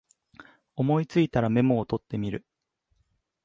思いついたらメモ取ってみる